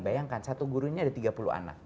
bayangkan satu gurunya ada tiga puluh anak